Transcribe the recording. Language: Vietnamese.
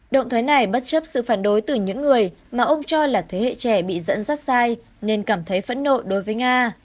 động thái này bất chấp sự phản đối từ những người mà ông cho là thế hệ trẻ bị dẫn dắt sai nên cảm thấy phẫn nộ đối với nga